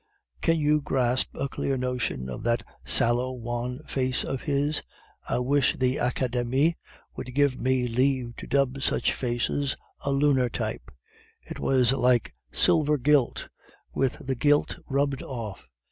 "Can you grasp a clear notion of that sallow, wan face of his? I wish the Academie would give me leave to dub such faces the lunar type. It was like silver gilt, with the gilt rubbed off.